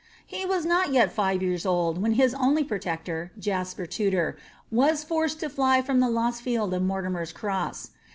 Ue was not five years old when his only protector, Jasper Tudor, was forced to fly from the lost field of Mortimer's Cross.